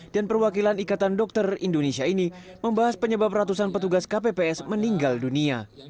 dan perwakilan ikatan dokter indonesia ini membahas penyebab ratusan petugas kpps meninggal dunia